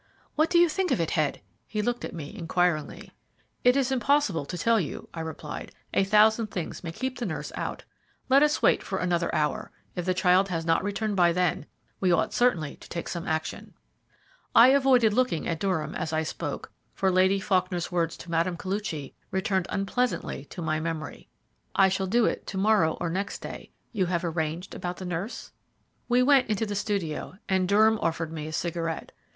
"What do you think of it, Head?" He looked at me inquiringly. "It is impossible to tell you," I replied; "a thousand things may keep the nurse out. Let us wait for another hour. If the child has not returned by then, we ought certainly to take some action." I avoided looking at Durham as I spoke, for Lady Faulkner's words to Mme. Koluchy returned unpleasantly to my memory: "I shall do it to morrow or next day you have arranged about the nurse?" We went into the studio, and Durham offered me a cigarette.